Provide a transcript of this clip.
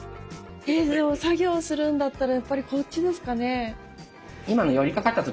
作業するんだったらやっぱりこっちですかね。